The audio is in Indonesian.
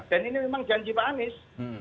dan ini memang janji pak anies